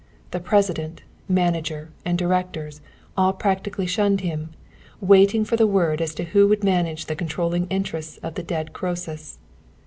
The president, manager, and directors all practically shunned him, waiting for the word as to who would manage the controlling interest of the dead Croesus.